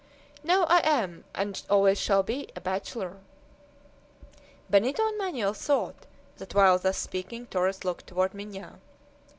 "No; I am, and always shall be, a bachelor." Benito and Manoel thought that while thus speaking Torres looked toward Minha.